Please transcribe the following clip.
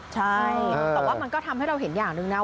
ใช่แต่ว่ามันก็ทำให้เราเห็นอย่างหนึ่งนะ